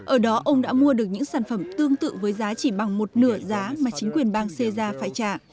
ở đó ông đã mua được những sản phẩm tương tự với giá chỉ bằng một nửa giá mà chính quyền bang sê gia phải trả